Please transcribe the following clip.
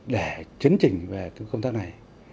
để chấn trình về công tác này